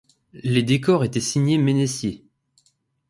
Les décors étaient signés Menessier.